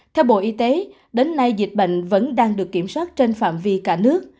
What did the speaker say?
theo bộ y tế đến nay dịch bệnh vẫn đang được kiểm soát trên phạm vi cả nước